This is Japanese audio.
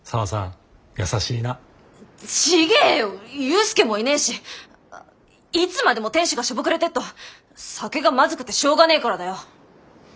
勇介もいねえしいつまでも店主がしょぼくれてると酒がまずくてしょうがねえからだよ。